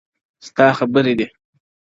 • سـتـــا خــبــــــري دي.